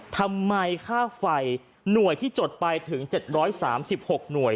ค่าไฟหน่วยที่จดไปถึง๗๓๖หน่วย